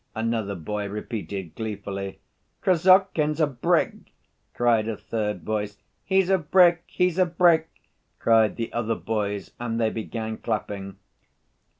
another boy repeated gleefully. "Krassotkin's a brick!" cried a third voice. "He's a brick, he's a brick!" cried the other boys, and they began clapping.